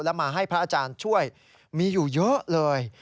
แล้วมาให้พระอาจารย์ช่วยมีอยู่เยอะเลย